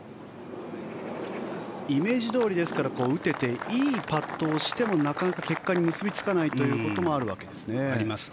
イメージどおり打てていいパットをしてもなかなか結果に結びつかないということもあるわけですね。あります。